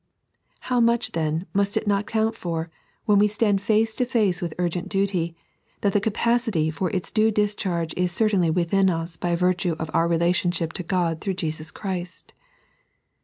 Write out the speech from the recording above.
How much, then, must it not count for, when we stand face to face with urgent duty, that the capacity for its due discharge is certainly within us by virtue of our relationship to God through Jesus Christ